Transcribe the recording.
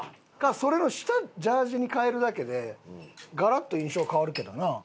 それの下ジャージに替えるだけでガラッと印象変わるけどな。